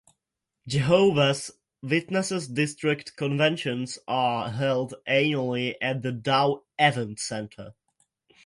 Jehovah's Witnesses District Conventions are held annually at the Dow Event Center.